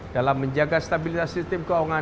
dalam menjaga stabilitas sistem keuangan